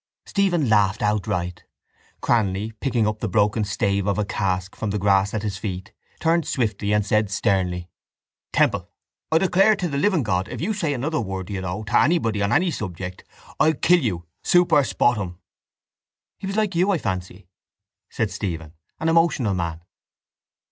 Stephen laughed outright. Cranly, picking up the broken stave of a cask from the grass at his feet, turned swiftly and said sternly: —Temple, I declare to the living God if you say another word, do you know, to anybody on any subject, I'll kill you super spottum. —He was like you, I fancy, said Stephen, an emotional man.